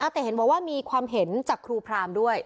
แต่เห็นบอกว่ามีความเห็นจากครูพรามด้วย